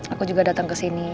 aku juga datang kesini